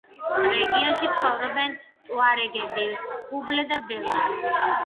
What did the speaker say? რეგიონში ცხოვრობენ ტუარეგები, ფულბე და ბელა.